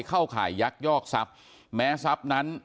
เข้าข่ายยักยอกทรัพย์แม้ทรัพย์นั้น